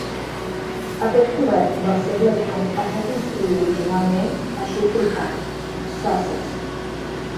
Aquest cobert del segle XIX es va construir originalment a Sheffield Park (Sussex).